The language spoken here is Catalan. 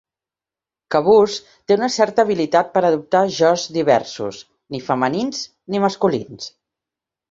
Cabús té una certa habilitat per adoptar jos diversos, ni femenins ni masculins.